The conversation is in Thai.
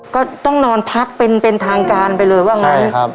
ก็ต้องนอนพักเป็นทางการไปเลยว่าไง